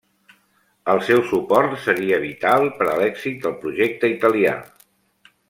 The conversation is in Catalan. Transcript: El seu suport seria vital per a l'èxit del projecte italià.